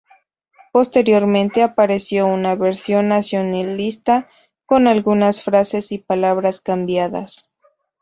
Posteriormente apareció una versión nacionalista con algunas frases y palabras cambiadas.